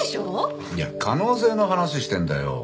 いや可能性の話してんだよ。